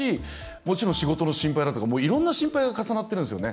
もちろん、仕事の心配だとかいろんな心配が重なってるんですよね。